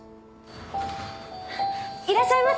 いらっしゃいませ！